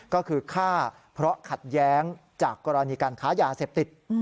ก็คือฆ่าเพราะขัดแย้งจากกรณีการค้ายาเสพติด